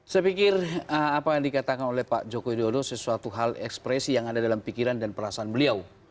saya pikir apa yang dikatakan oleh pak joko widodo sesuatu hal ekspresi yang ada dalam pikiran dan perasaan beliau